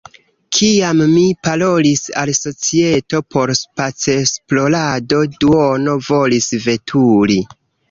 Kiam mi parolis al societo por spacesplorado, duono volis veturi.